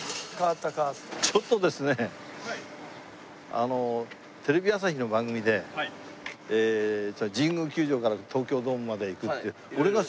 あのテレビ朝日の番組で神宮球場から東京ドームまで行くっていう。